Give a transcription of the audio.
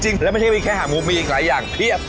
จริงแล้วไม่ใช่แค่หางหมูมีอีกหลายอย่างเพียบ